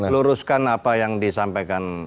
luruskan apa yang disampaikan